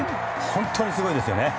本当にすごいですよね。